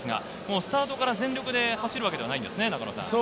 スタートから全力で走るわけではないんですね。